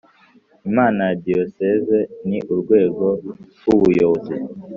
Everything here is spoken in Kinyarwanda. Inama ya Diyoseze ni urwego rw ubuyobozi